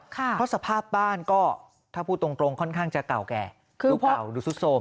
เพราะสภาพบ้านก็ถ้าพูดตรงค่อนข้างจะเก่าแก่ดูเก่าดูสุดโสม